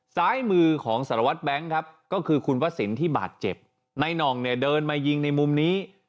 ซ้ายมือของสารวัตรแบงค์ครับก็คือคุณวสินที่บาดเจ็บในหน่องเนี่ยเดินมายิงในมุมนี้